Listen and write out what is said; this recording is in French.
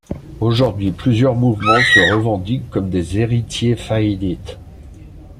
Aujourd'hui, plusieurs mouvements se revendiquent comme des héritiers faydits.